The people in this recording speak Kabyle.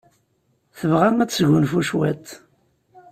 Tebɣa ad tesgunfu cwiṭ.